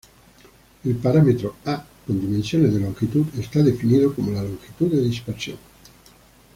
El parámetro "a" con dimensiones de longitud está definido como la longitud de dispersión.